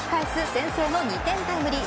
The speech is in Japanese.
先制の２点タイムリー。